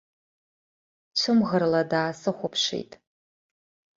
Цәымӷрала даасыхәаԥшит.